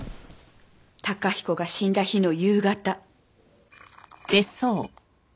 崇彦が死んだ日の夕方。